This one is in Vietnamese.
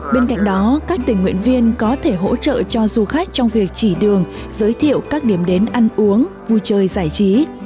bên cạnh đó các tình nguyện viên có thể hỗ trợ cho du khách trong việc chỉ đường giới thiệu các điểm đến ăn uống vui chơi giải trí